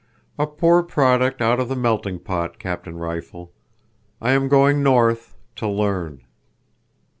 "A poor product out of the melting pot, Captain Rifle. I am going north—to learn."